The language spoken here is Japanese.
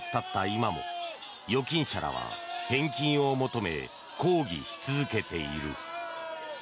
今も預金者らは返金を求め抗議し続けている。